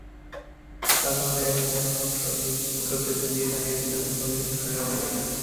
কাল সন্ধ্যায় আইসিসি সংবাদ বিজ্ঞপ্তি দিয়ে জানিয়ে দেয়, দুজনের বোলিং অ্যাকশনই অবৈধ।